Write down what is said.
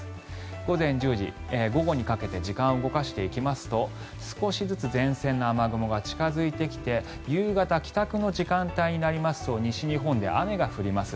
午前１０時、午後にかけて時間を動かしていきますと少しずつ前線の雨雲が近付いてきて夕方、帰宅の時間帯になりますと西日本で雨が降ります。